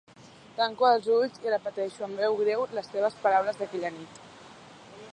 Tanco els ulls i repeteixo amb veu greu les teves paraules d'aquella nit.